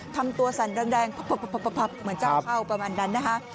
ทำตัวสั่นแรงเหมือนเจ้าเข้าประมาณนั้นนะคะ